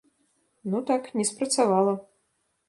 Ну так, не спрацавала.